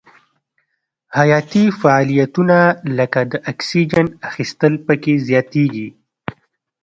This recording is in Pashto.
حیاتي فعالیتونه لکه د اکسیجن اخیستل پکې زیاتیږي.